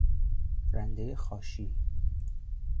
رندهی خاشی